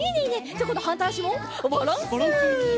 じゃこんどはんたいあしもバランス！